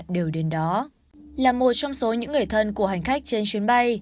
điều đến đó là một trong số những người thân của hành khách trên chuyến bay